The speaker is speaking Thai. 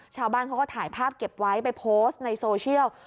ชาวบ้านเขาก็ถ่ายภาพเก็บไว้ไปโพสต์ในโซเชียล